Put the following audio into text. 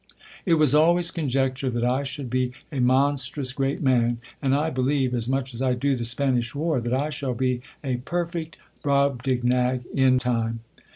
It was always conjectured that I should be a mon *strous great man ; and I believe, as much as I do the Spanish war, that i shall be a perfect Brobdingnag in hme.